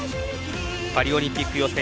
パリオリンピック予選